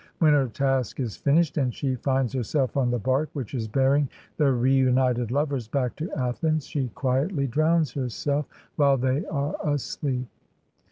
When her task is finished, and she finds herself on the bark which is bearing the re united lovers back to Athens, she quietly drowns her self while they are asleep.